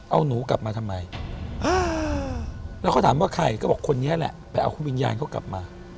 เอาหนูกลับมาทำไมแล้วเขาถามว่าใครก็บอกคนนี้แหละไปเอาคุณวิญญาณเขากลับมา